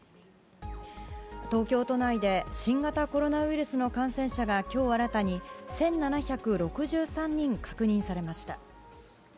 東京都内で新型コロナウイルスの感染者が今日新たに１７６３人確認されました。